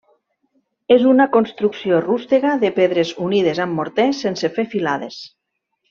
És una construcció rústega de pedres unides amb morter sense fer filades.